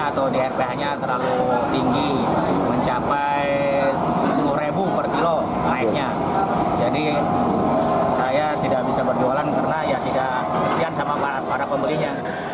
jadi saya tidak bisa berjualan karena ya tidak kesian sama para pembelinya